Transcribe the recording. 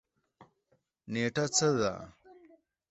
نیټه څه ده؟